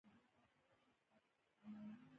بله په صوابۍ او بیا سوات ته روان و.